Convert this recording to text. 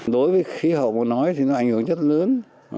đối với khí hậu mà nói thì nó ảnh hưởng rất lớn